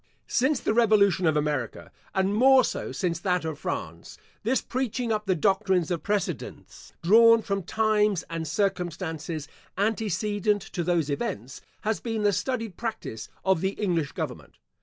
Since the revolution of America, and more so since that of France, this preaching up the doctrines of precedents, drawn from times and circumstances antecedent to those events, has been the studied practice of the English government.